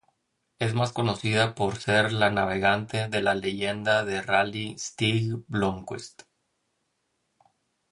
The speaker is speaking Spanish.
Es más conocida por ser la navegante de la leyenda de rally Stig Blomqvist.